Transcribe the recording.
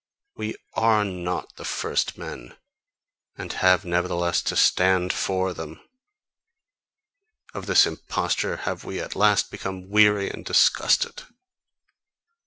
We ARE NOT the first men and have nevertheless to STAND FOR them: of this imposture have we at last become weary and disgusted.